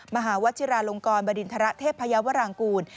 มหาวชิราลงกรบริณฑระเทพยาวรางกูล